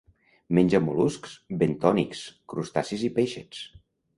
Menja mol·luscs bentònics, crustacis i peixets.